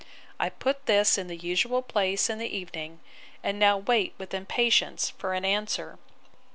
I put this in the usual place in the evening; and now wait with impatience for an answer.